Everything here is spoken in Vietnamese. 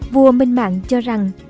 vua minh mạng cho rằng